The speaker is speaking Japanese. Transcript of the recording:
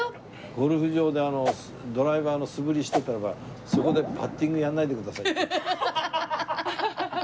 ゴルフ場でドライバーの素振りしてたらば「そこでバッティングやらないでください」。